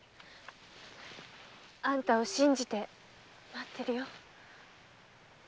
あんたを信じて待ってるよ。